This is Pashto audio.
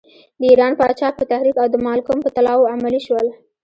د ایران پاچا په تحریک او د مالکم په طلاوو عملی شول.